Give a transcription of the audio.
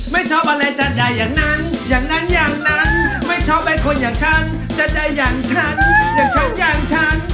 ไม่ชอบอะไรจะได้อย่างนั้นอย่างนั้นอย่างนั้นไม่ชอบแบบคนอย่างฉันจะได้อย่างฉันอย่างฉันอย่างฉัน